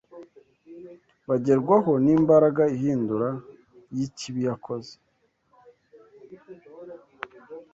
bagerwaho n’imbaraga ihindura y’ikibi yakoze